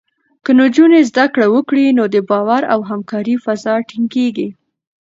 که نجونې زده کړه وکړي، نو د باور او همکارۍ فضا ټینګېږي.